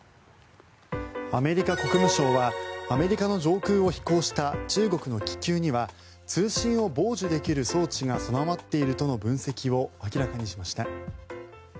アメリカ国務省はアメリカの上空を飛行した中国の気球には通信を傍受できる装置が備わっているとの分析を明らかにしました。